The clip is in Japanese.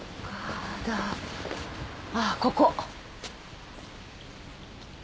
あっここ。